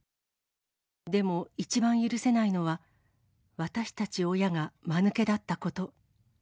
でも、一番許せないのは、私たち親がまぬけだったこと。